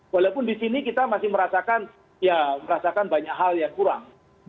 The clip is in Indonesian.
walaupun di sini kita masih merasakan ya merasakan banyak hal yang kurang